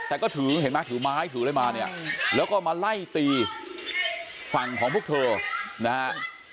แต่ก็ถือเห็นไหมถือไม้ถืออะไรมาเนี่ยแล้วก็มาไล่ตีฝั่งของพวกเธอนะฮะ